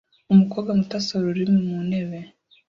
umukobwa muto asohora ururimi mu ntebe